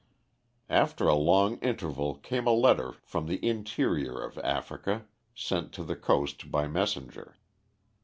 After a long interval came a letter from the interior of Africa, sent to the coast by messenger.